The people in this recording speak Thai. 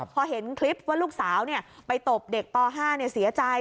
พอเห็นคลิปว่าลูกสาวไปตบเด็กป๕เสียใจ